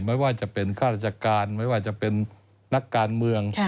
ไม่ว่าจะเป็นข้าราชการไม่ว่าจะเป็นนักการเมือง